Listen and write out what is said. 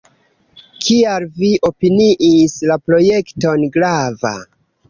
Kial vi opiniis la projekton grava?